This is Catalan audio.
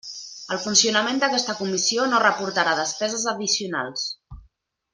El funcionament d'aquesta Comissió no reportarà despeses addicionals.